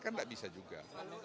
kan tidak bisa juga